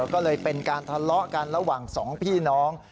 ก็เลยเป็นการทะเลาะกันระหว่างสองพี่น้อง